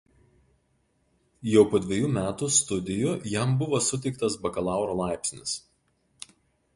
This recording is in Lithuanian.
Jau po dvejų metų studijų jam buvo suteiktas bakalauro laipsnis.